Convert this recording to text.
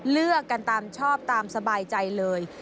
เลือกกันตามชอบตามสบายใจเลย